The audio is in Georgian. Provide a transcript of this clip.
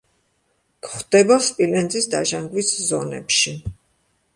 გვხვდება სპილენძის დაჟანგვის ზონებში.